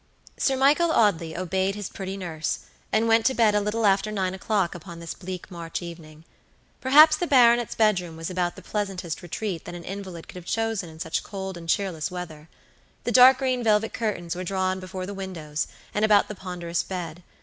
Sir Michael Audley obeyed his pretty nurse, and went to bed a little after nine o'clock upon this bleak March evening. Perhaps the baronet's bedroom was about the pleasantést retreat that an invalid could have chosen in such cold and cheerless weather. The dark green velvet curtains were drawn before the windows and about the ponderous bed.